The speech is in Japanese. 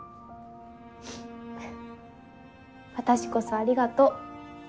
私こそありがとう。